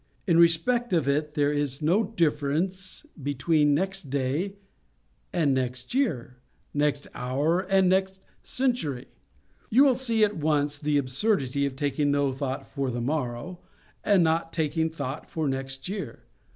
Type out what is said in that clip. In respect of it there is no difference between next day and next year, next hour and next century. You will see at once the absurdity of taking no thought for the morrow, and taking thought for next year.